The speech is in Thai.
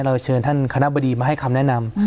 เชิญท่านคณะบดีมาให้คำแนะนำ